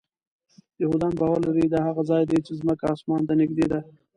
یهودان باور لري دا هغه ځای دی چې ځمکه آسمان ته نږدې ده.